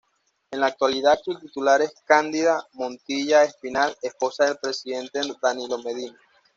En la actualidad su titular es Cándida Montilla Espinal esposa del presidente Danilo Medina.